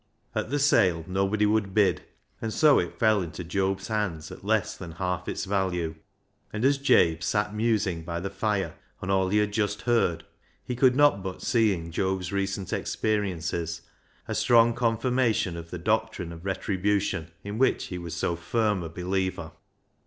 At the sale nobody would bid, and so it fell into Job's hands at less than half its value. And as Jabe sat musing by the fire on all he had just heard, he could not 390 BECKSIDE LIGHTS but see in Job's recent experiences a strong confirmation of the doctrine of retribution in which he was so firm a believer.